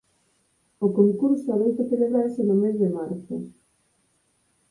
O concurso adoita celebrarse no mes de marzo.